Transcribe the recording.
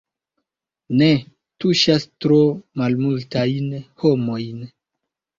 Ne, tuŝas tro malmultajn homojn.